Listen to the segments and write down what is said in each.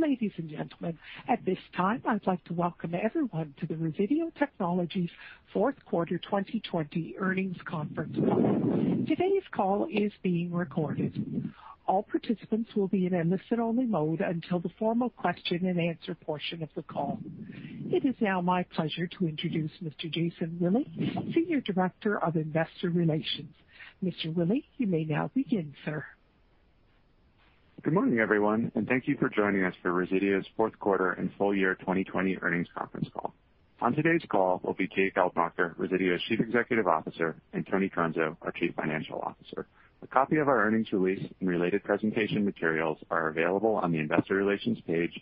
Ladies and gentlemen, at this time, I'd like to welcome everyone to the Resideo Technologies Fourth Quarter 2020 Earnings Conference Call. Today's call is being recorded. All participants will be in listen-only mode until the formal question-and-answer portion of the call. It is now my pleasure to introduce Mr. Jason Willey, Senior Director of Investor Relations. Mr. Willey, you may now begin, sir. Good morning, everyone, and thank you for joining us for Resideo's Fourth Quarter and Full-Year 2020 Earnings Conference Call. On today's call will be Jay Geldmacher, Resideo's Chief Executive Officer, and Tony Trunzo, our Chief Financial Officer. A copy of our earnings release and related presentation materials are available on the investor relations page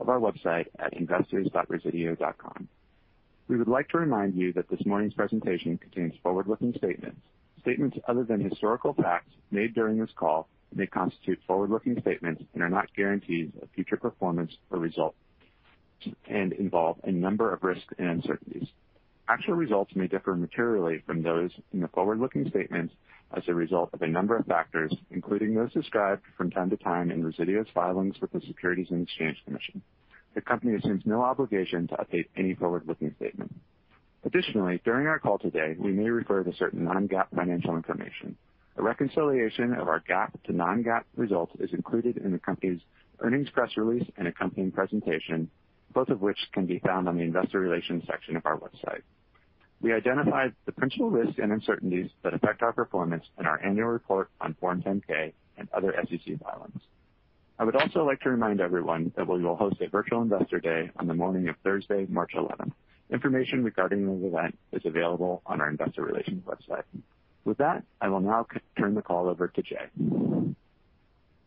of our website at investors.resideo.com. We would like to remind you that this morning's presentation contains forward-looking statements. Statements other than historical facts made during this call may constitute forward-looking statements and are not guarantees of future performance or results and involve a number of risks and uncertainties. Actual results may differ materially from those in the forward-looking statements as a result of a number of factors, including those described from time to time in Resideo's filings with the Securities and Exchange Commission. The company assumes no obligation to update any forward-looking statement. Additionally, during our call today, we may refer to certain non-GAAP financial information. A reconciliation of our GAAP to non-GAAP results is included in the company's earnings press release and accompanying presentation, both of which can be found on the investor relations section of our website. We identified the principal risks and uncertainties that affect our performance in our annual report on Form 10-K and other SEC filings. I would also like to remind everyone that we will host a virtual investor day on the morning of Thursday, March 11th. Information regarding the event is available on our investor relations website. With that, I will now turn the call over to Jay.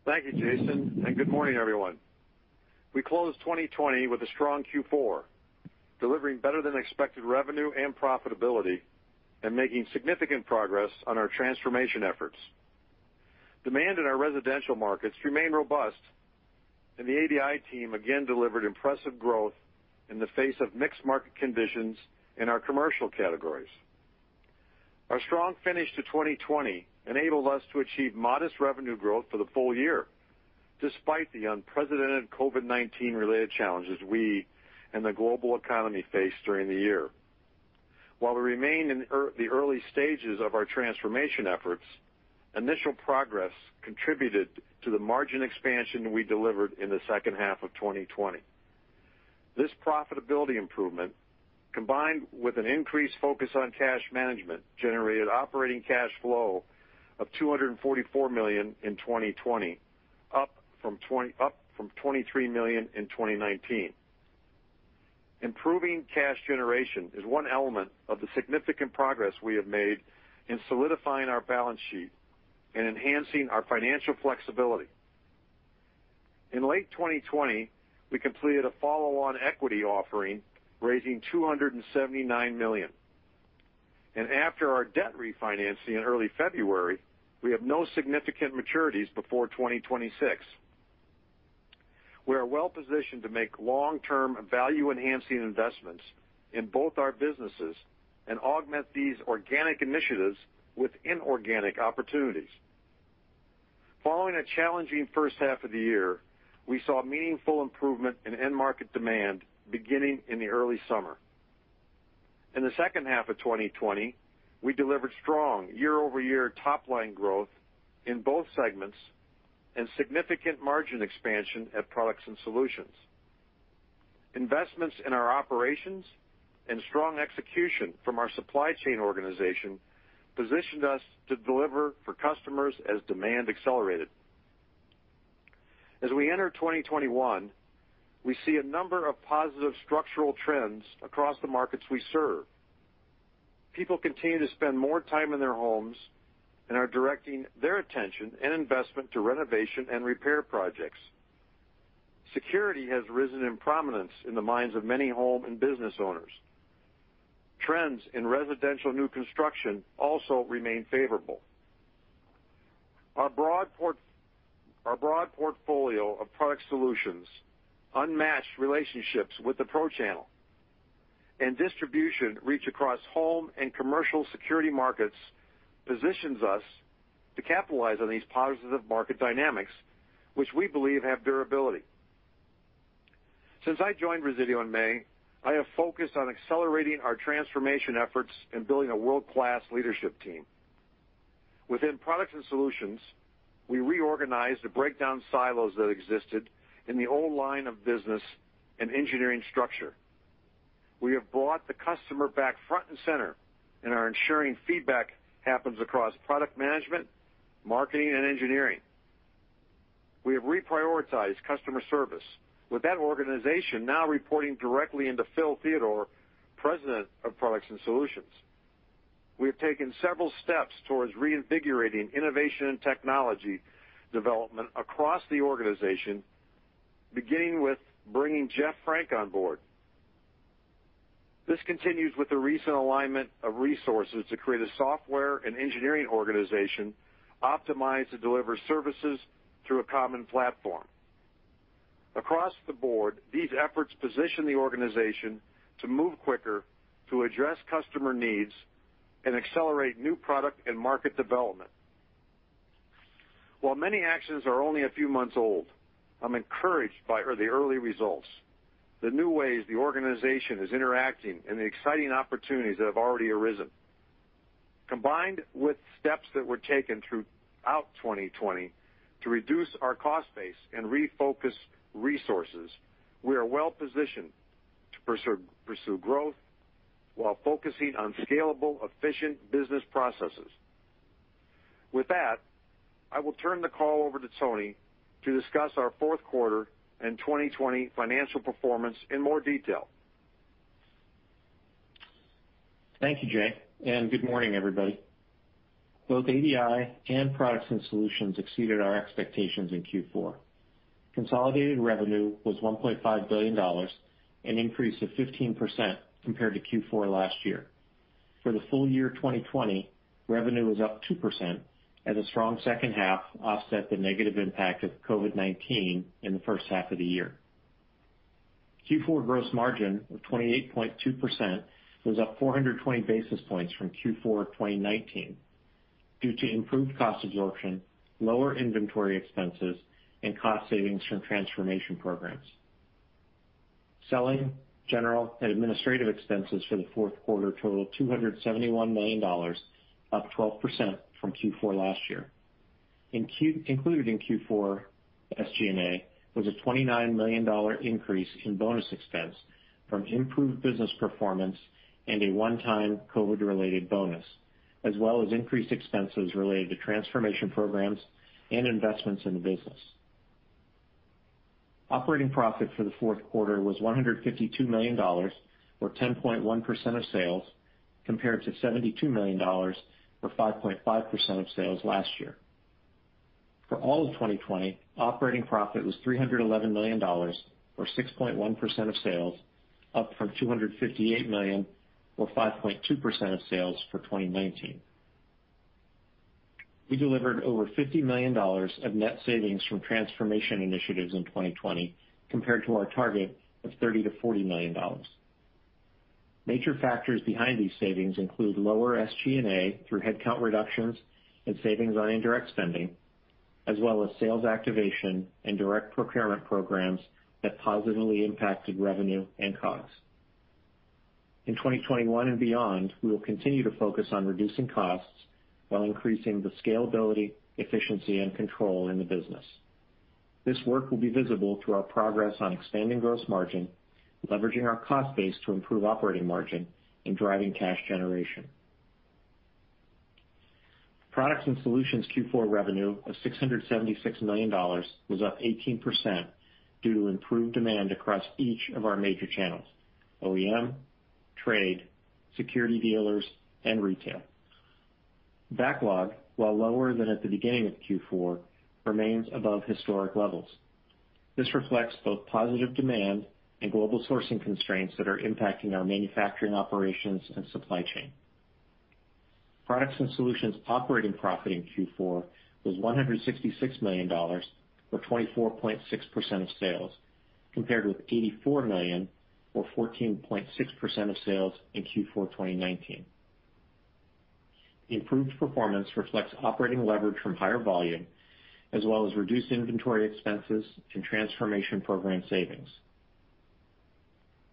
Thank you, Jason, and good morning, everyone. We closed 2020 with a strong Q4, delivering better than expected revenue and profitability and making significant progress on our transformation efforts. Demand in our residential markets remained robust, and the ADI team again delivered impressive growth in the face of mixed market conditions in our commercial categories. Our strong finish to 2020 enabled us to achieve modest revenue growth for the full-year, despite the unprecedented COVID-19 related challenges we and the global economy faced during the year. While we remain in the early stages of our transformation efforts, initial progress contributed to the margin expansion we delivered in the second half of 2020. This profitability improvement, combined with an increased focus on cash management, generated operating cash flow of $244 million in 2020, up from $23 million in 2019. Improving cash generation is one element of the significant progress we have made in solidifying our balance sheet and enhancing our financial flexibility. In late 2020, we completed a follow-on equity offering, raising $279 million. After our debt refinancing in early February, we have no significant maturities before 2026. We are well-positioned to make long-term value-enhancing investments in both our businesses and augment these organic initiatives with inorganic opportunities. Following a challenging first half of the year, we saw meaningful improvement in end-market demand beginning in the early summer. In the second half of 2020, we delivered strong year-over-year top-line growth in both segments and significant margin expansion at Products & Solutions. Investments in our operations and strong execution from our supply chain organization positioned us to deliver for customers as demand accelerated. As we enter 2021, we see a number of positive structural trends across the markets we serve. People continue to spend more time in their homes and are directing their attention and investment to renovation and repair projects. Security has risen in prominence in the minds of many home and business owners. Trends in residential new construction also remain favorable. Our broad portfolio of product solutions, unmatched relationships with the pro channel, and distribution reach across home and commercial security markets positions us to capitalize on these positive market dynamics, which we believe have durability. Since I joined Resideo in May, I have focused on accelerating our transformation efforts and building a world-class leadership team. Within Products and Solutions, we reorganized to break down silos that existed in the old line of business and engineering structure. We have brought the customer back front and center, and are ensuring feedback happens across product management, marketing, and engineering. We have reprioritized customer service, with that organization now reporting directly into Phil Theodore, President of Products and Solutions. We have taken several steps towards reinvigorating innovation and technology development across the organization, beginning with bringing Jeff Frank on board. This continues with the recent alignment of resources to create a software and engineering organization optimized to deliver services through a common platform. Across the board, these efforts position the organization to move quicker to address customer needs and accelerate new product and market development. While many actions are only a few months old, I'm encouraged by the early results, the new ways the organization is interacting, and the exciting opportunities that have already arisen. Combined with steps that were taken throughout 2020 to reduce our cost base and refocus resources, we are well-positioned to pursue growth while focusing on scalable, efficient business processes. With that, I will turn the call over to Tony Trunzo to discuss our fourth quarter and 2020 financial performance in more detail. Thank you, Jay, good morning, everybody. Both ADI and Products and Solutions exceeded our expectations in Q4. Consolidated revenue was $1.5 billion, an increase of 15% compared to Q4 last year. For the full-year 2020, revenue was up 2% as a strong second half offset the negative impact of COVID-19 in the first half of the year. Q4 gross margin of 28.2% was up 420 basis points from Q4 2019 due to improved cost absorption, lower inventory expenses, and cost savings from transformation programs. Selling, general, and administrative expenses for the fourth quarter totaled $271 million, up 12% from Q4 last year. Included in Q4 SG&A was a $29 million increase in bonus expense from improved business performance and a one-time COVID-related bonus, as well as increased expenses related to transformation programs and investments in the business. Operating profit for the fourth quarter was $152 million, or 10.1% of sales, compared to $72 million, or 5.5% of sales last year. For all of 2020, operating profit was $311 million, or 6.1% of sales, up from $258 million or 5.2% of sales for 2019. We delivered over $50 million of net savings from transformation initiatives in 2020, compared to our target of $30 million to $40 million. Major factors behind these savings include lower SG&A through headcount reductions and savings on indirect spending, as well as sales activation and direct procurement programs that positively impacted revenue and costs. In 2021 and beyond, we will continue to focus on reducing costs while increasing the scalability, efficiency, and control in the business. This work will be visible through our progress on expanding gross margin, leveraging our cost base to improve operating margin, and driving cash generation. Products and Solutions Q4 revenue of $676 million was up 18% due to improved demand across each of our major channels: OEM, trade, security dealers, and retail. Backlog, while lower than at the beginning of Q4, remains above historic levels. This reflects both positive demand and global sourcing constraints that are impacting our manufacturing operations and supply chain. Products and Solutions operating profit in Q4 was $166 million, or 24.6% of sales, compared with $84 million, or 14.6% of sales in Q4 2019. The improved performance reflects operating leverage from higher volume, as well as reduced inventory expenses and transformation program savings.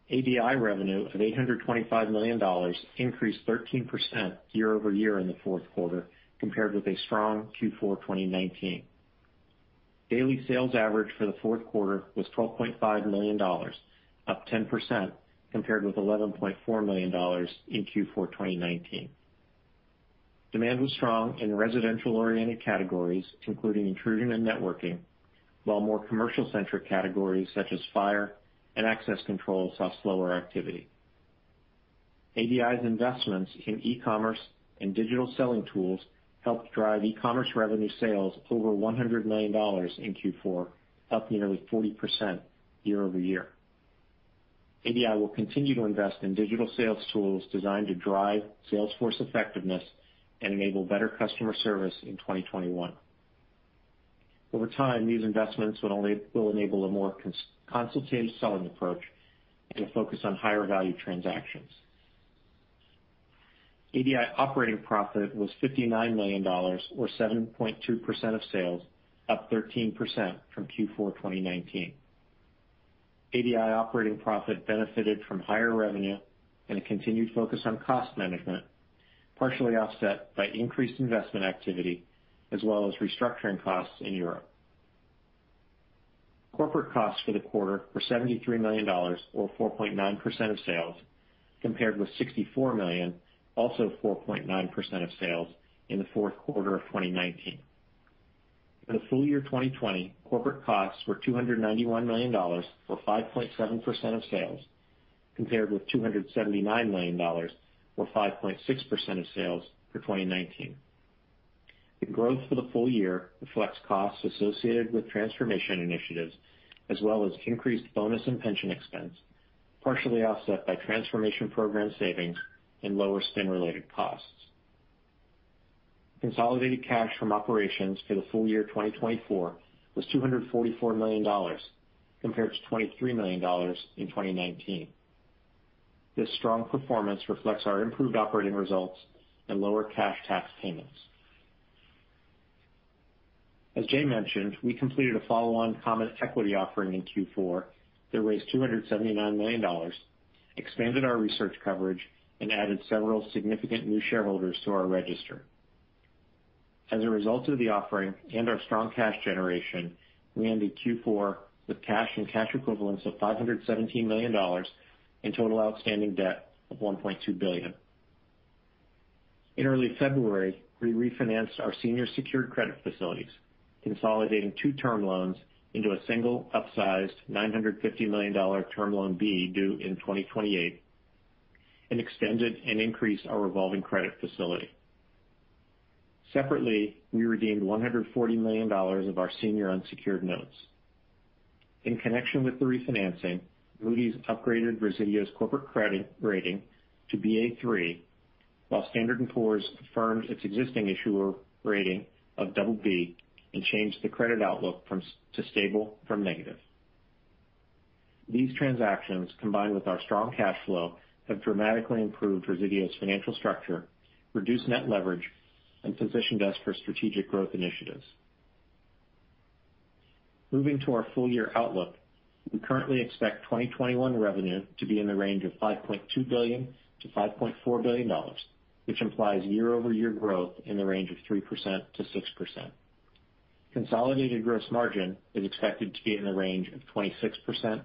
ADI revenue of $825 million increased 13% year-over-year in the fourth quarter, compared with a strong Q4 2019. Daily sales average for the fourth quarter was $12.5 million, up 10%, compared with $11.4 million in Q4 2019. Demand was strong in residential-oriented categories, including intrusion and networking, while more commercial-centric categories such as fire and access control, saw slower activity. ADI's investments in e-commerce and digital selling tools helped drive e-commerce revenue sales over $100 million in Q4, up nearly 40% year-over-year. ADI will continue to invest in digital sales tools designed to drive sales force effectiveness and enable better customer service in 2021. Over time, these investments will enable a more consultative selling approach and a focus on higher value transactions. ADI operating profit was $59 million, or 7.2% of sales, up 13% from Q4 2019. ADI operating profit benefited from higher revenue and a continued focus on cost management, partially offset by increased investment activity as well as restructuring costs in Europe. Corporate costs for the quarter were $73 million, or 4.9% of sales, compared with $64 million, also 4.9% of sales, in the fourth quarter of 2019. For the full-year 2020, corporate costs were $291 million, or 5.7% of sales, compared with $279 million or 5.6% of sales for 2019. The growth for the full-year reflects costs associated with transformation initiatives as well as increased bonus and pension expense, partially offset by transformation program savings and lower spin-related costs. Consolidated cash from operations for the full-year 2024 was $244 million, compared to $23 million in 2019. This strong performance reflects our improved operating results and lower cash tax payments. As Jay mentioned, we completed a follow-on common equity offering in Q4 that raised $279 million, expanded our research coverage, and added several significant new shareholders to our register. As a result of the offering and our strong cash generation, we ended Q4 with cash and cash equivalents of $517 million and total outstanding debt of $1.2 billion. In early February, we refinanced our senior secured credit facilities, consolidating two term loans into a single upsized $950 million Term Loan B due in 2028 and extended and increased our revolving credit facility. Separately, we redeemed $140 million of our senior unsecured notes. In connection with the refinancing, Moody's upgraded Resideo's corporate credit rating to Ba3, while Standard & Poor's affirmed its existing issuer rating of double B and changed the credit outlook to stable from negative. These transactions, combined with our strong cash flow, have dramatically improved Resideo's financial structure, reduced net leverage, and positioned us for strategic growth initiatives. Moving to our full-year outlook, we currently expect 2021 revenue to be in the range of $5.2 billion-$5.4 billion, which implies year-over-year growth in the range of 3%-6%. Consolidated gross margin is expected to be in the range of 26%-28%,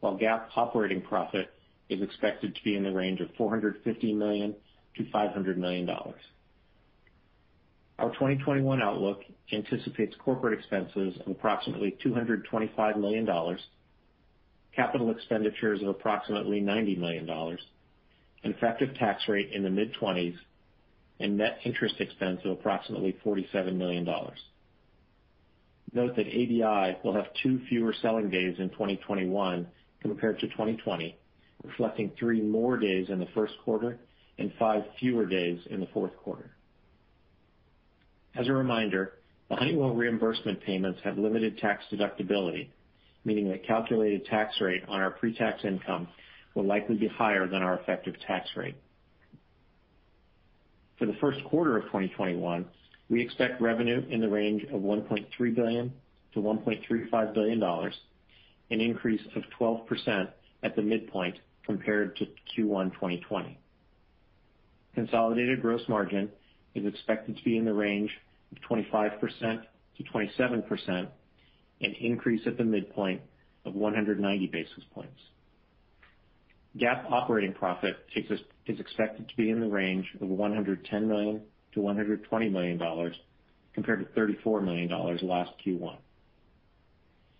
while GAAP operating profit is expected to be in the range of $450 million to $500 million. Our 2021 outlook anticipates corporate expenses of approximately $225 million, capital expenditures of approximately $90 million, an effective tax rate in the mid-20s, and net interest expense of approximately $47 million. Note that ADI will have two fewer selling days in 2021 compared to 2020, reflecting three more days in the first quarter and five fewer days in the fourth quarter. As a reminder, Honeywell reimbursement payments have limited tax deductibility, meaning the calculated tax rate on our pretax income will likely be higher than our effective tax rate. For the first quarter of 2021, we expect revenue in the range of $1.3 billion-$1.35 billion, an increase of 12% at the midpoint compared to Q1 2020. Consolidated gross margin is expected to be in the range of 25%-27%, an increase at the midpoint of 190 basis points. GAAP operating profit is expected to be in the range of $110 million to $120 million, compared to $34 million last Q1.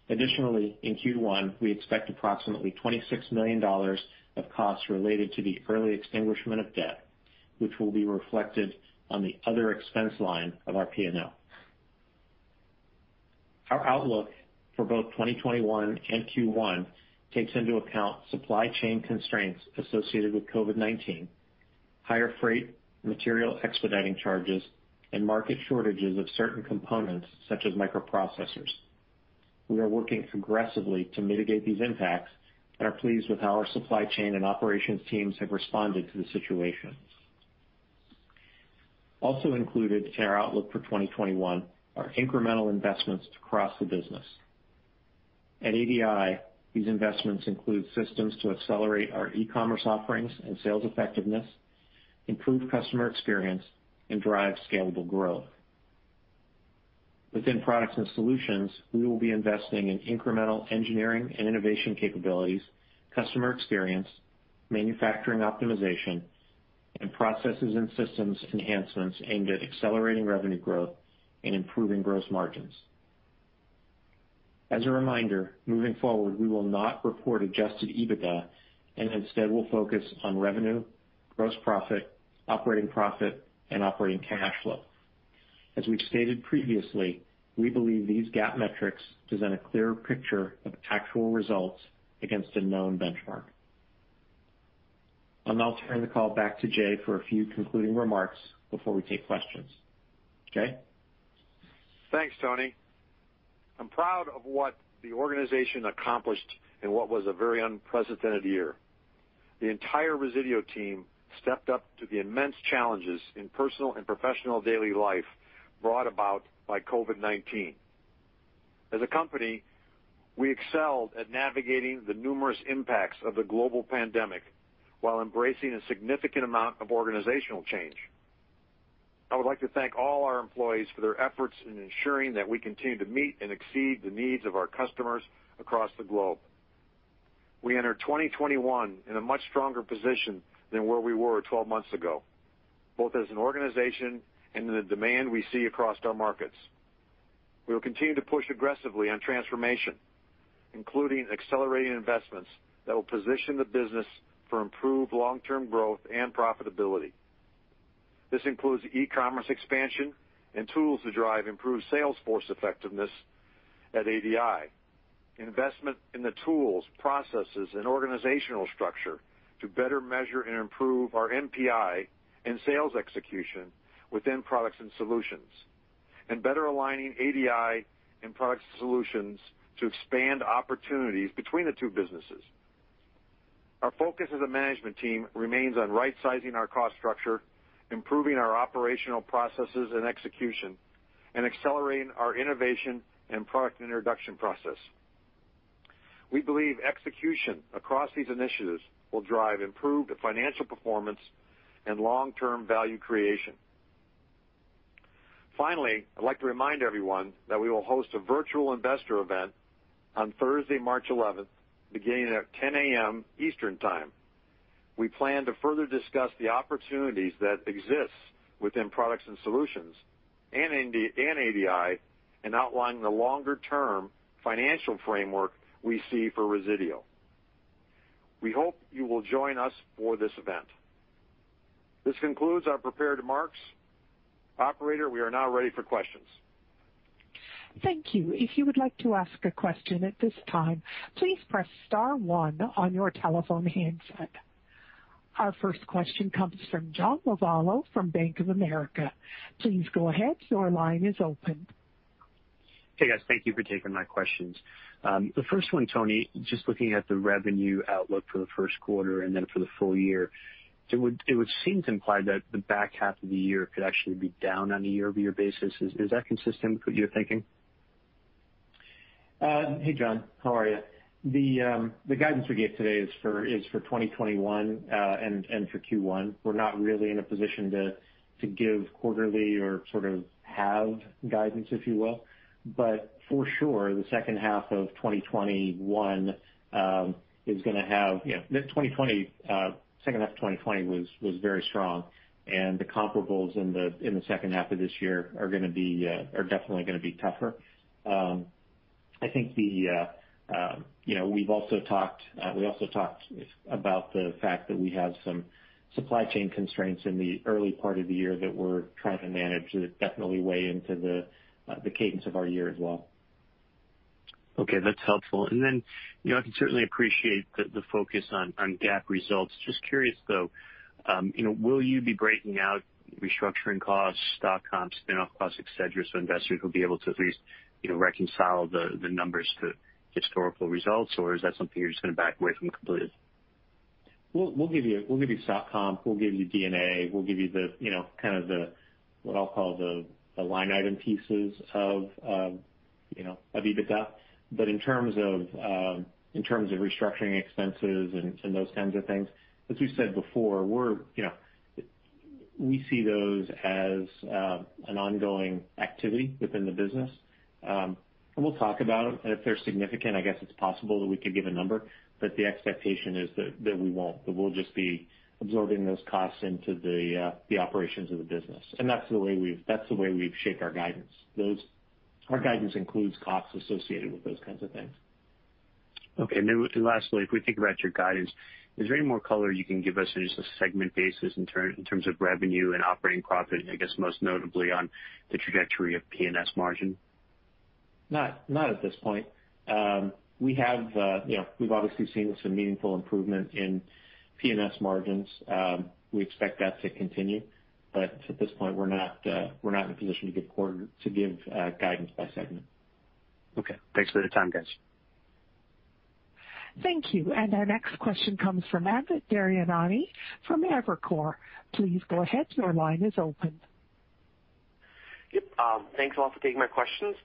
Additionally, in Q1, we expect approximately $26 million of costs related to the early extinguishment of debt, which will be reflected on the other expense line of our P&L. Our outlook for both 2021 and Q1 takes into account supply chain constraints associated with COVID-19, higher freight, material expediting charges, and market shortages of certain components such as microprocessors. We are working aggressively to mitigate these impacts and are pleased with how our supply chain and operations teams have responded to the situation. Also included in our outlook for 2021 are incremental investments across the business. At ADI, these investments include systems to accelerate our e-commerce offerings and sales effectiveness, improve customer experience, and drive scalable growth. Within Products & Solutions, we will be investing in incremental engineering and innovation capabilities, customer experience, manufacturing optimization, and processes and systems enhancements aimed at accelerating revenue growth and improving gross margins. As a reminder, moving forward, we will not report adjusted EBITDA and instead will focus on revenue, gross profit, operating profit, and operating cash flow. As we've stated previously, we believe these GAAP metrics present a clearer picture of actual results against a known benchmark. I'll now turn the call back to Jay for a few concluding remarks before we take questions. Jay? Thanks, Tony. I'm proud of what the organization accomplished in what was a very unprecedented year. The entire Resideo team stepped up to the immense challenges in personal and professional daily life brought about by COVID-19. As a company, we excelled at navigating the numerous impacts of the global pandemic while embracing a significant amount of organizational change. I would like to thank all our employees for their efforts in ensuring that we continue to meet and exceed the needs of our customers across the globe. We enter 2021 in a much stronger position than where we were 12 months ago, both as an organization and in the demand we see across our markets. We will continue to push aggressively on transformation, including accelerating investments that will position the business for improved long-term growth and profitability. This includes e-commerce expansion and tools to drive improved sales force effectiveness at ADI, investment in the tools, processes, and organizational structure to better measure and improve our NPI and sales execution within Products & Solutions. Better aligning ADI and Products & Solutions to expand opportunities between the two businesses. Our focus as a management team remains on right-sizing our cost structure, improving our operational processes and execution, and accelerating our innovation and product introduction process. We believe execution across these initiatives will drive improved financial performance and long-term value creation. Finally, I'd like to remind everyone that we will host a virtual investor event on Thursday, March 11th, beginning at 10:00 A.M. Eastern Time. We plan to further discuss the opportunities that exist within Products & Solutions and ADI, and outline the longer-term financial framework we see for Resideo. We hope you will join us for this event. This concludes our prepared remarks. Operator, we are now ready for questions. Thank you. Our first question comes from John Lovallo from Bank of America. Please go ahead. Your line is open. Hey, guys. Thank you for taking my questions. The first one, Tony, just looking at the revenue outlook for the first quarter, and then for the full-year, it would seem to imply that the back half of the year could actually be down on a year-over-year basis. Is that consistent with your thinking? Hey, John. How are you? The guidance we gave today is for 2021, and for Q1. We're not really in a position to give quarterly or sort of halved guidance, if you will. But for sure, the second half of 2021 is going to have. Second half of 2020 was very strong, and the comparables in the second half of this year are definitely going to be tougher. We also talked about the fact that we have some supply chain constraints in the early part of the year that we're trying to manage that definitely weigh into the cadence of our year as well. Okay, that's helpful. I can certainly appreciate the focus on GAAP results. Just curious though, will you be breaking out restructuring costs, stock comp, spin-off costs, et cetera, so investors will be able to at least reconcile the numbers to historical results? Or is that something you're just going to back away from completely? We'll give you stock comp, we'll give you D&A, we'll give you what I'll call the line item pieces of EBITDA. In terms of restructuring expenses and those kinds of things, as we've said before, we see those as an ongoing activity within the business. We'll talk about them, and if they're significant, I guess it's possible that we could give a number, but the expectation is that we won't, that we'll just be absorbing those costs into the operations of the business. That's the way we've shaped our guidance. Our guidance includes costs associated with those kinds of things. Okay. Lastly, if we think about your guidance, is there any more color you can give us on just a segment basis in terms of revenue and operating profit? I guess most notably on the trajectory of P&S margin? Not at this point. We've obviously seen some meaningful improvement in P&S margins. We expect that to continue, but at this point, we're not in a position to give guidance by segment. Okay. Thanks for the time, guys. Thank you. Our next question comes from Amit Daryanani from Evercore. Please go ahead, your line is open. Yep. Thanks a lot for taking my questions.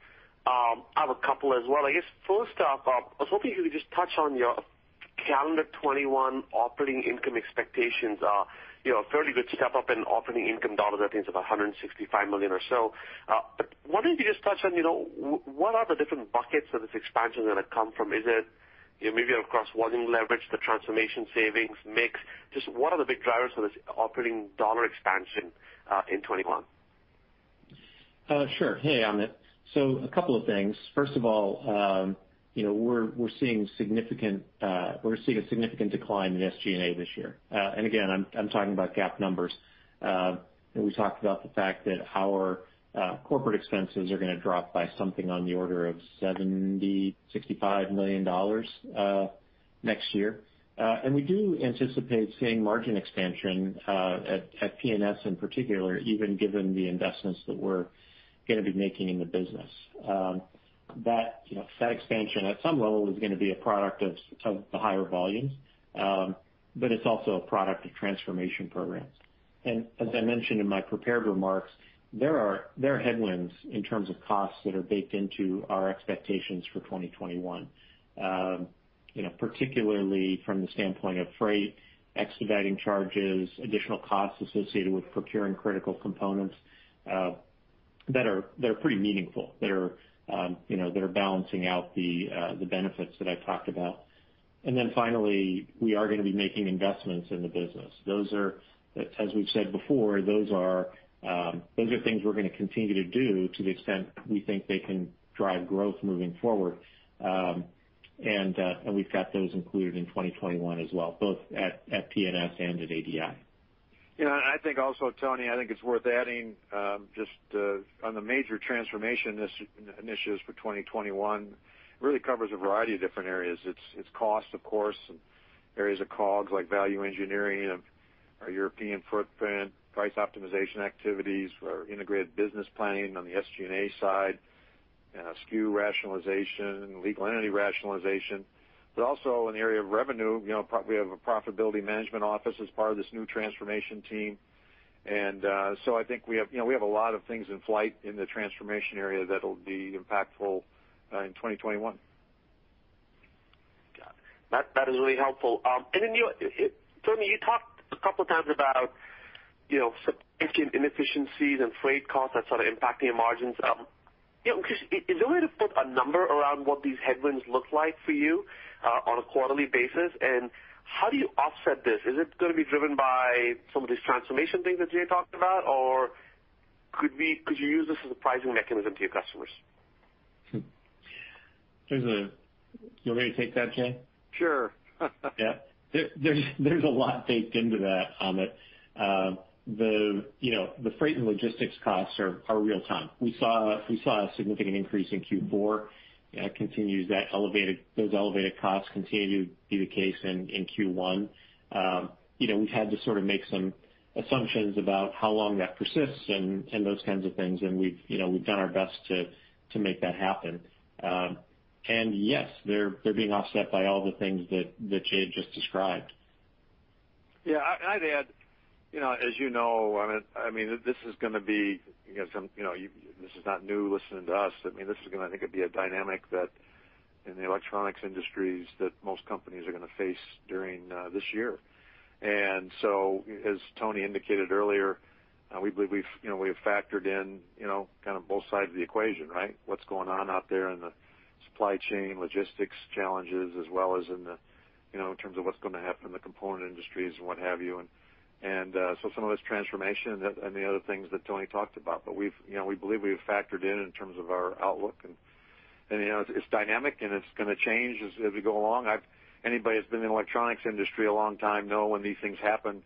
I have a couple as well. I guess first off, I was hoping you could just touch on your calendar 2021 operating income expectations. A fairly good step up in operating income dollars. I think it's about $165 million or so. Wondering if you could just touch on what are the different buckets of this expansion going to come from? Is it maybe across volume leverage, the transformation savings mix? Just what are the big drivers for this operating dollar expansion in 2021? Sure. Hey, Amit. A couple of things. First of all, we're seeing a significant decline in SG&A this year. Again, I'm talking about GAAP numbers. We talked about the fact that our corporate expenses are going to drop by something on the order of $70 million to $65 million next year. We do anticipate seeing margin expansion at P&S in particular, even given the investments that we're going to be making in the business. That expansion at some level is going to be a product of the higher volumes, but it's also a product of transformation programs. As I mentioned in my prepared remarks, there are headwinds in terms of costs that are baked into our expectations for 2021. Particularly from the standpoint of freight, expediting charges, additional costs associated with procuring critical components that are pretty meaningful, that are balancing out the benefits that I talked about. Finally, we are going to be making investments in the business. As we've said before, those are things we're going to continue to do to the extent we think they can drive growth moving forward. We've got those included in 2021 as well, both at P&S and at ADI. I think also, Tony, I think it's worth adding, just on the major transformation initiatives for 2021, really covers a variety of different areas. It's cost, of course, and areas of COGS like value engineering and our European footprint, price optimization activities for our integrated business planning on the SG&A side, SKU rationalization, legal entity rationalization, also in the area of revenue, we have a profitability management office as part of this new transformation team. I think we have a lot of things in flight in the transformation area that'll be impactful in 2021. Got it. That is really helpful. Then Tony, you talked a couple times about significant inefficiencies and freight costs that sort of impact your margins. Is there a way to put a number around what these headwinds look like for you on a quarterly basis, and how do you offset this? Is it going to be driven by some of these transformation things that Jay talked about, or could you use this as a pricing mechanism to your customers? You want me to take that, Jay? Sure. Yeah. There's a lot baked into that, Amit. The freight and logistics costs are real time. We saw a significant increase in Q4. Those elevated costs continue to be the case in Q1. We've had to sort of make some assumptions about how long that persists and those kinds of things, and we've done our best to make that happen. Yes, they're being offset by all the things that Jay just described. Yeah, I'd add, as you know, Amit, this is not new listening to us. This is going to, I think, be a dynamic that in the electronics industries that most companies are going to face during this year. As Tony indicated earlier, we believe we have factored in kind of both sides of the equation, right? What's going on out there in the supply chain, logistics challenges, as well as in terms of what's going to happen in the component industries and what have you, some of this transformation and the other things that Tony talked about. We believe we've factored in terms of our outlook, and it's dynamic, and it's going to change as we go along. Anybody that's been in the electronics industry a long time know when these things happen,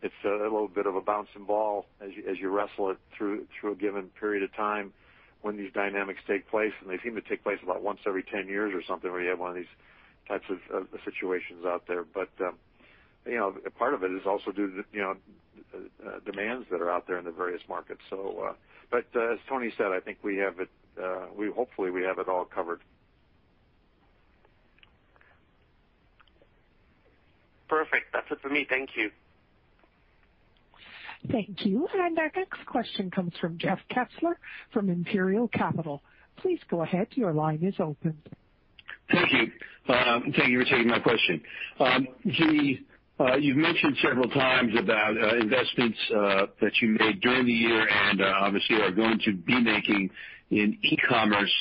it's a little bit of a bouncing ball as you wrestle it through a given period of time when these dynamics take place, and they seem to take place about once every 10 years or something, where you have one of these types of situations out there. Part of it is also due to demands that are out there in the various markets. As Tony said, I think hopefully we have it all covered. Perfect. That's it for me. Thank you. Thank you. Our next question comes from Jeff Kessler from Imperial Capital. Please go ahead. Your line is open. Thank you. Thank you for taking my question. Jay, you've mentioned several times about investments that you made during the year and obviously are going to be making in e-commerce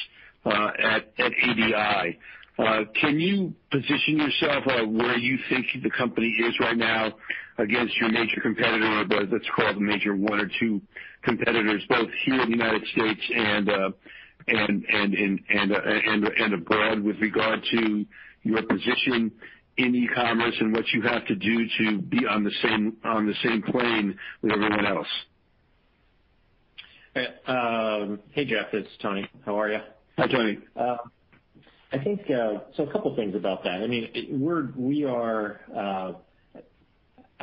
at ADI. Can you position yourself where you think the company is right now against your major competitor, let's call it the major one or two competitors, both here in the United States and abroad with regard to your position in e-commerce and what you have to do to be on the same plane with everyone else? Hey, Jeff, it's Tony. How are you? Hi, Tony. A couple things about that.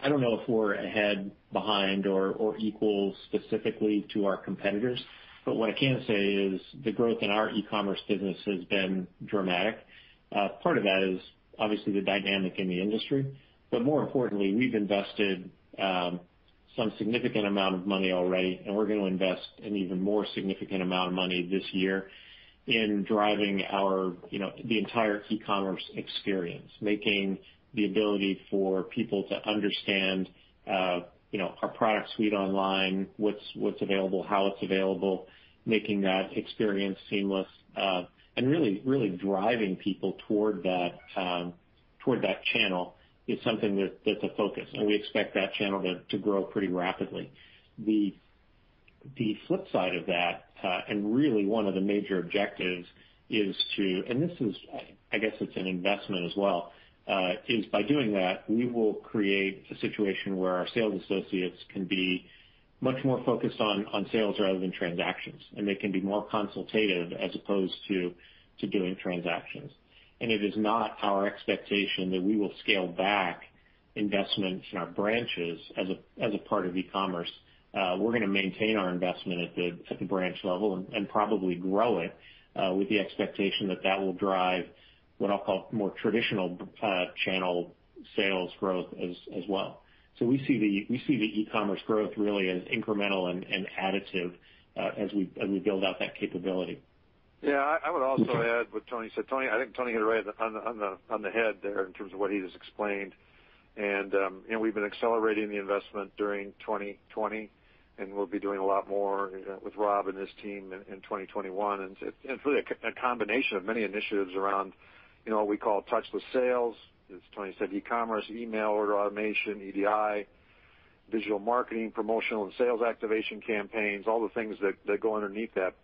I don't know if we're ahead, behind, or equal specifically to our competitors, but what I can say is the growth in our e-commerce business has been dramatic. Part of that is obviously the dynamic in the industry. More importantly, we've invested some significant amount of money already, and we're going to invest an even more significant amount of money this year in driving the entire e-commerce experience. Making the ability for people to understand our product suite online, what's available, how it's available, making that experience seamless, and really driving people toward that channel is something that's a focus, and we expect that channel to grow pretty rapidly. The flip side of that, and really one of the major objectives is to, and I guess it's an investment as well, is by doing that, we will create a situation where our sales associates can be much more focused on sales rather than transactions, and they can be more consultative as opposed to doing transactions. It is not our expectation that we will scale back investments in our branches as a part of e-commerce. We're going to maintain our investment at the branch level and probably grow it with the expectation that that will drive what I'll call more traditional channel sales growth as well. We see the e-commerce growth really as incremental and additive as we build out that capability. Yeah, I would also add what Tony said. I think Tony hit it right on the head there in terms of what he just explained. We've been accelerating the investment during 2020, and we'll be doing a lot more with Rob and his team in 2021. It's really a combination of many initiatives around what we call touchless sales, as Tony said, e-commerce, email order automation, ADI, digital marketing, promotional and sales activation campaigns, all the things that go underneath that.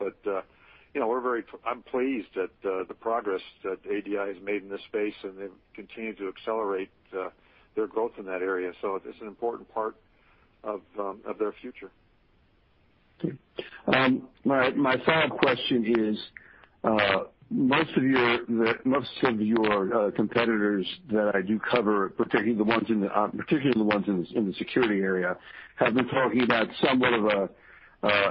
I'm pleased at the progress that ADI has made in this space, and they've continued to accelerate their growth in that area. It's an important part of their future. Okay. My final question is, most of your competitors that I do cover, particularly the ones in the security area, have been talking about somewhat of a,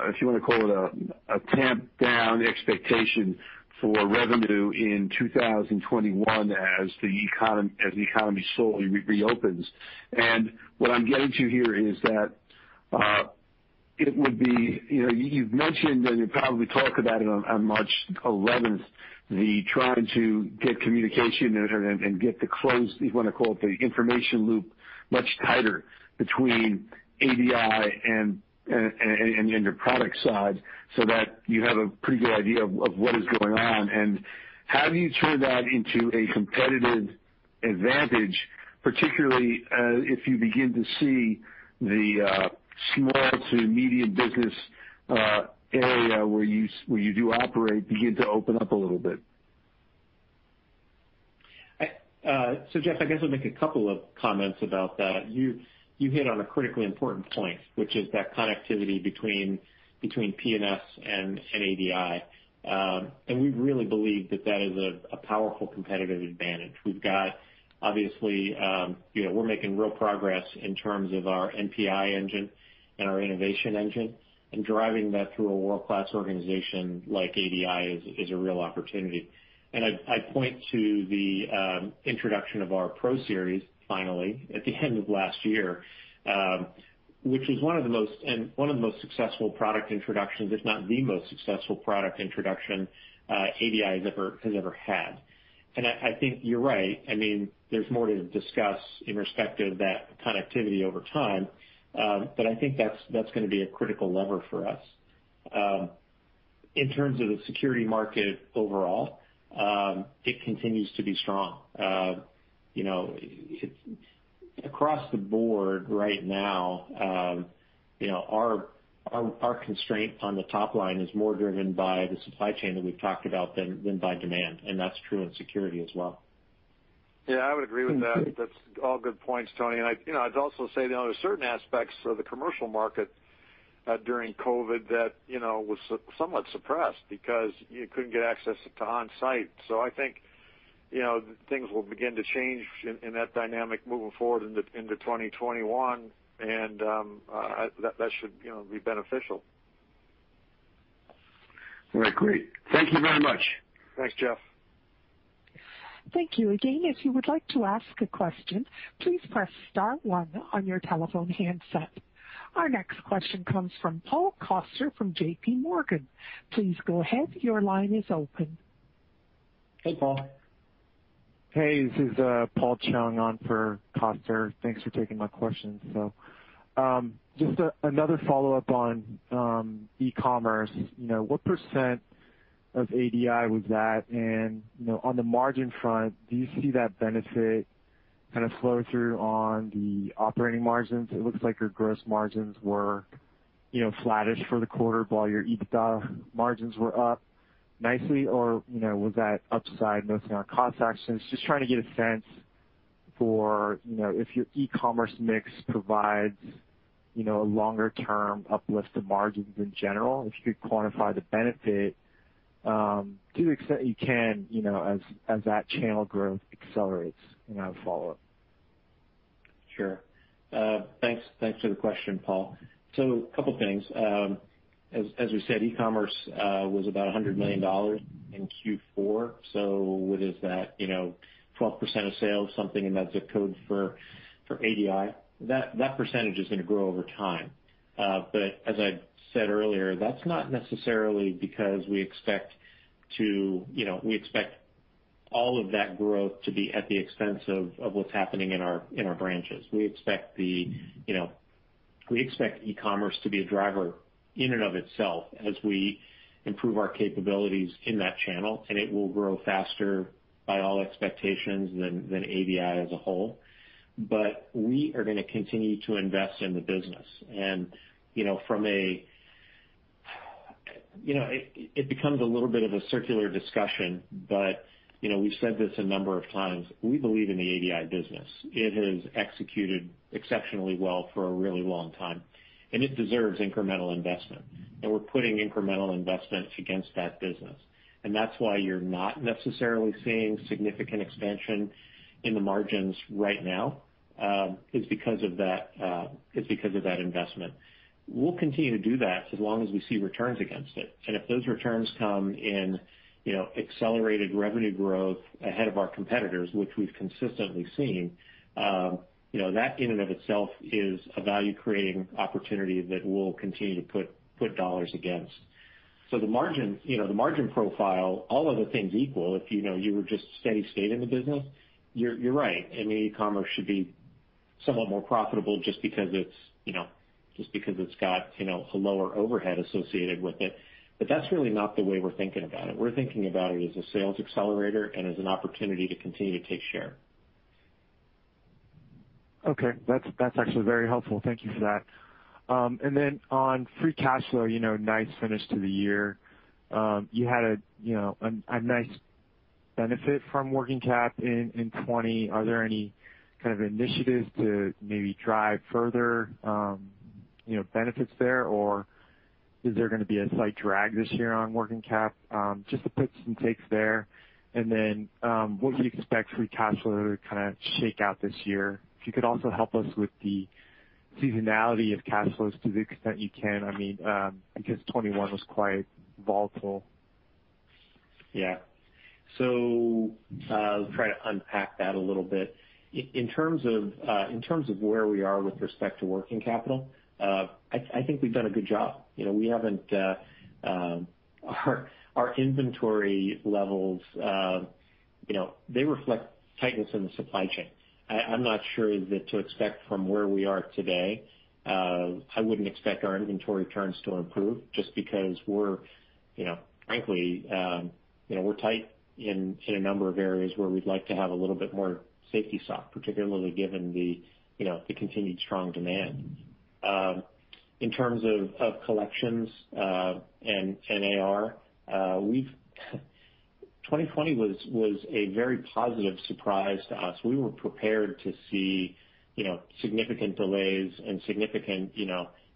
if you want to call it a tamp down expectation for revenue in 2021 as the economy slowly reopens. What I'm getting to here is that it would be, you've mentioned, and you'll probably talk about it on March 11th, the trying to get communication and get the closed, if you want to call it the information loop much tighter between ADI and your product side so that you have a pretty good idea of what is going on. How do you turn that into a competitive advantage, particularly if you begin to see the small to medium business area where you do operate, begin to open up a little bit? Jeff, I guess I'll make a couple of comments about that. You hit on a critically important point, which is that connectivity between P&S and ADI. We really believe that that is a powerful competitive advantage. We've got, obviously, we're making real progress in terms of our NPI engine and our innovation engine, and driving that through a world-class organization like ADI is a real opportunity. I point to the introduction of our ProSeries, finally, at the end of last year, which is one of the most successful product introductions, if not the most successful product introduction ADI has ever had. I think you're right. There's more to discuss in respect of that connectivity over time. I think that's going to be a critical lever for us. In terms of the security market overall, it continues to be strong. Across the board right now, our constraint on the top line is more driven by the supply chain that we've talked about than by demand, and that's true in security as well. Yeah, I would agree with that. That's all good points, Tony. I'd also say there are certain aspects of the commercial market during COVID that was somewhat suppressed because you couldn't get access to on-site. I think things will begin to change in that dynamic moving forward into 2021, and that should be beneficial. All right, great. Thank you very much. Thanks, Jay. Thank you. Again, if you would like to ask a question, please press star one on your telephone handset. Our next question comes from Paul Coster from JPMorgan. Please go ahead, your line is open. Hey, Paul. Hey, this is Paul Cheung on for Coster. Thanks for taking my questions. Just another follow-up on e-commerce. What % of ADI was that? On the margin front, do you see that benefit kind of flow through on the operating margins? It looks like your gross margins were flattish for the quarter while your EBITDA margins were up nicely, was that upside mostly on cost actions? Just trying to get a sense for if your e-commerce mix provides a longer-term uplift to margins in general, if you could quantify the benefit to the extent you can as that channel growth accelerates. A follow-up. Sure. Thanks for the question, Paul. A couple of things. As we said, e-commerce was about $100 million in Q4, so what is that? 12% of sales, something in that zip code for ADI. That percentage is going to grow over time. As I said earlier, that's not necessarily because we expect all of that growth to be at the expense of what's happening in our branches. We expect e-commerce to be a driver in and of itself as we improve our capabilities in that channel, and it will grow faster by all expectations than ADI as a whole. We are going to continue to invest in the business. It becomes a little bit of a circular discussion, but we've said this a number of times, we believe in the ADI business. It has executed exceptionally well for a really long time, and it deserves incremental investment. We're putting incremental investments against that business. That's why you're not necessarily seeing significant expansion in the margins right now, is because of that investment. We'll continue to do that as long as we see returns against it. If those returns come in accelerated revenue growth ahead of our competitors, which we've consistently seen, that in and of itself is a value-creating opportunity that we'll continue to put dollars against. The margin profile, all other things equal, if you were just steady state in the business, you're right. E-commerce should be somewhat more profitable just because it's got a lower overhead associated with it. That's really not the way we're thinking about it. We're thinking about it as a sales accelerator and as an opportunity to continue to take share. Okay. That's actually very helpful. Thank you for that. On free cash flow, nice finish to the year. You had a nice benefit from working cap in 2020. Are there any kind of initiatives to maybe drive further benefits there, or is there going to be a slight drag this year on working cap? Just to put some takes there. What do you expect free cash flow to kind of shake out this year? If you could also help us with the seasonality of cash flows to the extent you can, because 2021 was quite volatile. I'll try to unpack that a little bit. In terms of where we are with respect to working capital, I think we've done a good job. Our inventory levels reflect tightness in the supply chain. I'm not sure to expect from where we are today. I wouldn't expect our inventory turns to improve just because, frankly, we're tight in a number of areas where we'd like to have a little bit more safety stock, particularly given the continued strong demand. In terms of collections and AR, 2020 was a very positive surprise to us. We were prepared to see significant delays and significant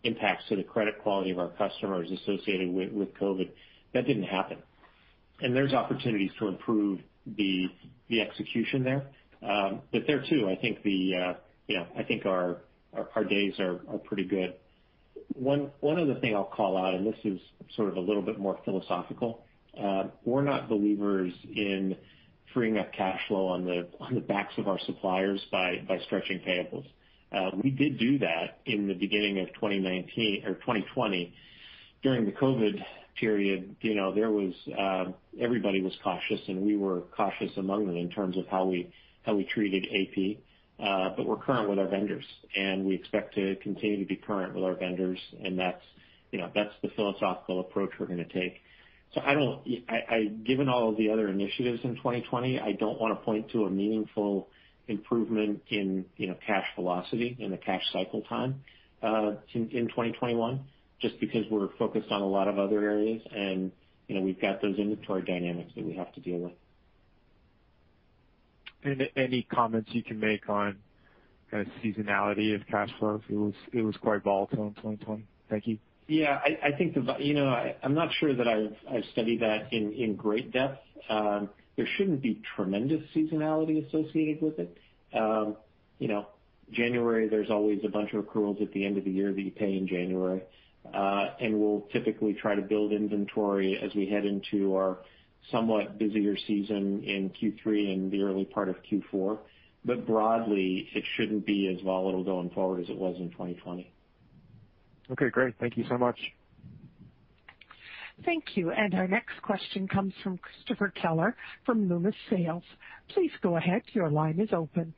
impacts to the credit quality of our customers associated with COVID. That didn't happen. There's opportunities to improve the execution there. There, too, I think our days are pretty good. One other thing I'll call out, and this is sort of a little bit more philosophical. We're not believers in freeing up cash flow on the backs of our suppliers by stretching payables. We did do that in the beginning of 2020 during the COVID period. Everybody was cautious, and we were cautious among them in terms of how we treated AP. We're current with our vendors, and we expect to continue to be current with our vendors, and that's the philosophical approach we're going to take. Given all of the other initiatives in 2020, I don't want to point to a meaningful improvement in cash velocity and the cash cycle time in 2021 just because we're focused on a lot of other areas, and we've got those inventory dynamics that we have to deal with. Any comments you can make on kind of seasonality of cash flow? It was quite volatile in 2020. Thank you. Yeah. I'm not sure that I've studied that in great depth. There shouldn't be tremendous seasonality associated with it. January, there's always a bunch of accruals at the end of the year that you pay in January. We'll typically try to build inventory as we head into our somewhat busier season in Q3 and the early part of Q4. Broadly, it shouldn't be as volatile going forward as it was in 2020. Okay, great. Thank you so much. Thank you. Our next question comes from Christopher Keller from Loomis Sayles. Please go ahead. Your line is open.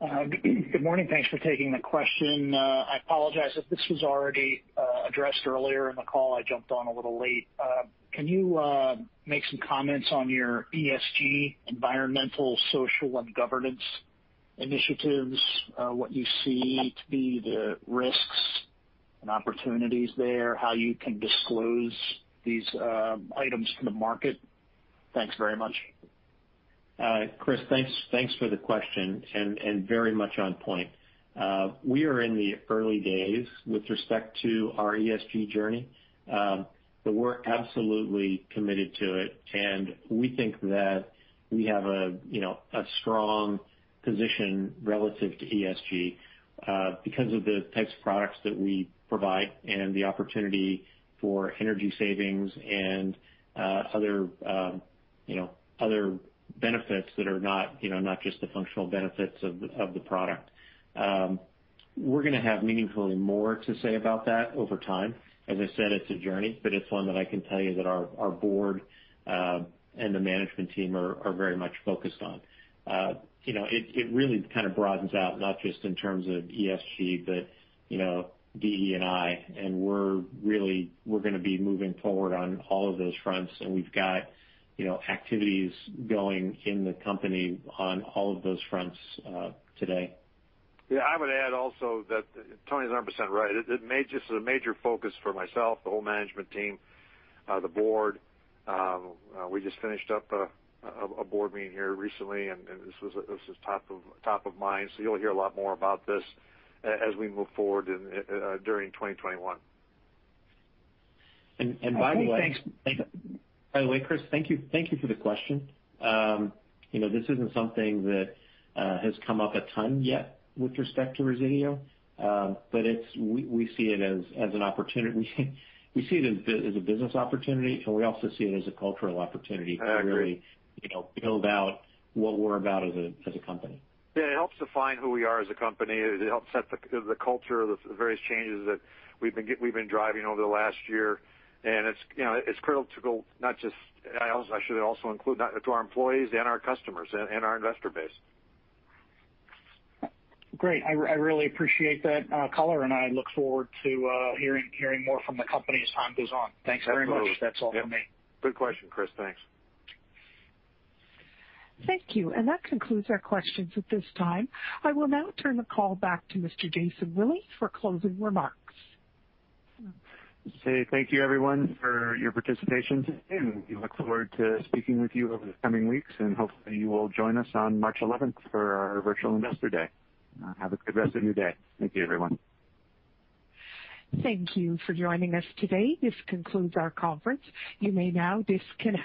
Good morning. Thanks for taking the question. I apologize if this was already addressed earlier in the call. I jumped on a little late. Can you make some comments on your ESG, environmental, social, and governance initiatives? What you see to be the risks and opportunities there, how you can disclose these items to the market. Thanks very much. Chris, thanks for the question, and very much on point. We're absolutely committed to it, and we think that we have a strong position relative to ESG because of the types of products that we provide and the opportunity for energy savings and other benefits that are not just the functional benefits of the product. We're going to have meaningfully more to say about that over time. As I said, it's a journey, but it's one that I can tell you that our board and the management team are very much focused on. It really kind of broadens out not just in terms of ESG, but DE&I, and we're going to be moving forward on all of those fronts, and we've got activities going in the company on all of those fronts today. Yeah, I would add also that Tony's 100% right. This is a major focus for myself, the whole management team, the board. We just finished up a board meeting here recently. This was top of mind. You'll hear a lot more about this as we move forward during 2021. And by the way Okay, thanks. By the way, Chris, thank you for the question. This isn't something that has come up a ton yet with respect to Resideo. We see it as a business opportunity, and we also see it as a cultural opportunity. I agree. to really build out what we're about as a company. Yeah, it helps define who we are as a company. It helps set the culture, the various changes that we've been driving over the last year. I should also include to our employees and our customers and our investor base. Great. I really appreciate that color. I look forward to hearing more from the company as time goes on. Thanks very much. Absolutely. That's all for me. Good question, Chris. Thanks. Thank you. That concludes our questions at this time. I will now turn the call back to Mr. Jason Willey for closing remarks. Say thank you, everyone, for your participation today. We look forward to speaking with you over the coming weeks, and hopefully you will join us on March 11th for our virtual investor day. Have a good rest of your day. Thank you, everyone. Thank you for joining us today. This concludes our conference. You may now disconnect.